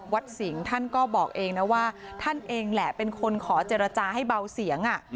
สิงห์ท่านก็บอกเองนะว่าท่านเองแหละเป็นคนขอเจรจาให้เบาเสียง